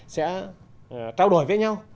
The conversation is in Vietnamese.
sẽ trao đổi với nhau